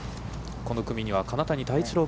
この組には金谷多一郎